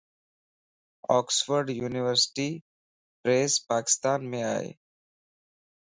اوڪسفورڊ يونيورسٽي پريس پاڪستان مَ ائي.